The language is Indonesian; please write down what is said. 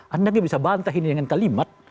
anda nggak bisa bantah ini dengan kalimat